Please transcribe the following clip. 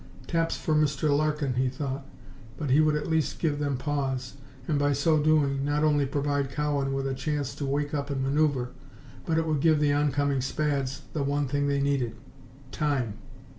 Taps for Mr. Larkin, he thought, but he would at least give them pause, and by so doing not only provide Cowan with a chance to wake up and manoeuver, but it would give the oncoming Spads the one thing they needed time!